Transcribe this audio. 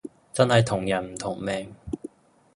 真係同人唔同命